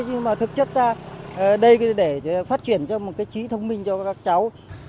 nhưng mà thực chất ra đây để phát triển cho một cái trí thông minh cho các cháu